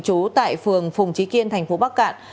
chú tại phường phùng trí kiên tp bắc cạn